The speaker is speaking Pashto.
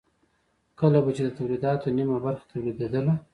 کله به چې د تولیداتو نیمه برخه تولیدېدله